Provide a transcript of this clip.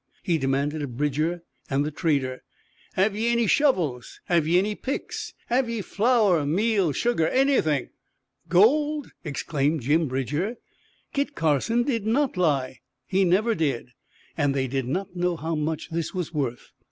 he demanded of Bridger and the trader. "Have ye any shovels? Have ye any picks? Have ye flour, meal, sugar anything?" "Gold!" exclaimed Jim Bridger. "Kit Carson did not lie! He never did!" And they did not know how much this was worth.